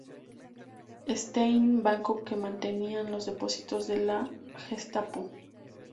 Stein, banco que mantenía los depósitos de la Gestapo.